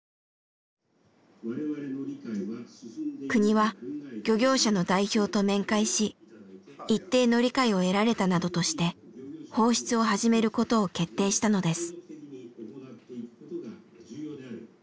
国は漁業者の代表と面会し一定の理解を得られたなどとして放出を始めることを決定したのです。